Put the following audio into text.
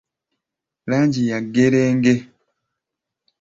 Langi ya ggerenge.